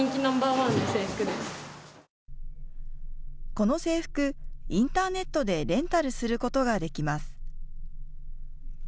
この制服、インターネットでレンタルすることができます。